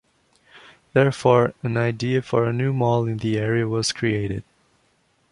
Therefore, an idea for a new mall in the area was created.